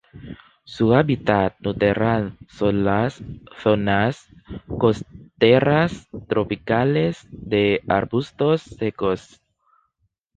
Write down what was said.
Su hábitat natural son las zonas costeras tropicales de arbustos secos.